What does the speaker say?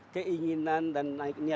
keinginan dan niat baik kita